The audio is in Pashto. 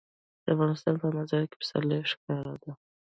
د افغانستان په منظره کې پسرلی ښکاره ده.